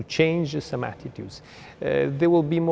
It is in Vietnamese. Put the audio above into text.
chính quyền và công ty việt nam